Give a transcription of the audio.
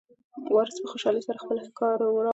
وارث په خوشحالۍ سره خپله ښکار راوړ.